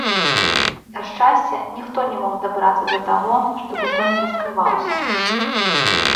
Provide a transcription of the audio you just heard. Да шчасця ніхто не мог дабрацца з-за таго, што бутон не раскрываўся.